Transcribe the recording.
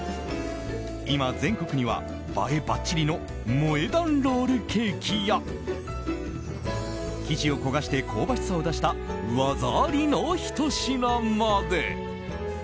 今、全国には、映えばっちりの萌え断ロールケーキや生地を焦がして香ばしさを出した技ありのひと品まで。